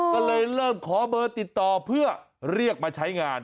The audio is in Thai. ก็เลยเริ่มขอเบอร์ติดต่อเพื่อเรียกมาใช้งาน